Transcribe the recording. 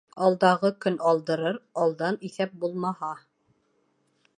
Алдағы көн алдырыр, алдан иҫәп булмаһа.